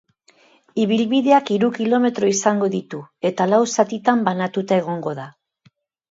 Ibilbideak hiru kilometro izango ditu eta lau zatitan banatuta egongo da.